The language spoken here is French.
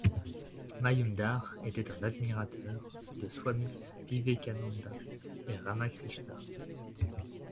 Majumdar était un admirateur de Swami Vivekananda et Ramakrishna.